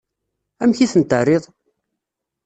Amek i tent-terriḍ?